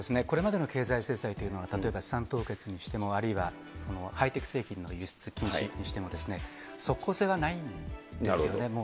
これまでの経済制裁というのは、例えば資産凍結にしても、あるいはハイテク製品の輸出禁止にしても、即効性はないんですよね。